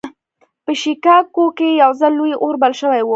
په شيکاګو کې يو ځل لوی اور بل شوی و.